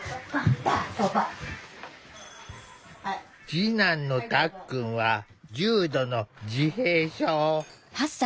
次男のたっくんは重度の自閉症。